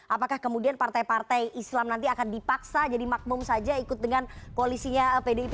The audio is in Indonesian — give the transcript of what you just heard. apakah kemudian partai partai islam nanti akan dipaksa jadi makmum saja ikut dengan koalisinya pdip